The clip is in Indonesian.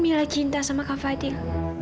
mila cinta sama kak fadil